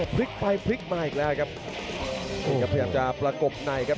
พลิกไปพลิกมาอีกแล้วครับนี่ครับพยายามจะประกบในครับ